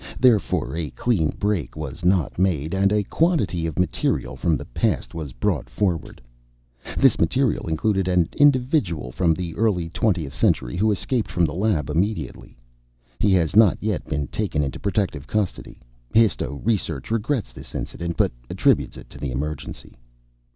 Therefore a clean break was not made, and a quantity of material from the past was brought forward. This material included an individual from the early twentieth century who escaped from the lab immediately. He has not yet been taken into protective custody. Histo research regrets this incident, but attributes it to the emergency.